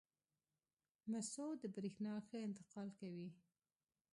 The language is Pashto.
مسو د برېښنا ښه انتقال کوي.